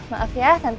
maaf ya santai bantu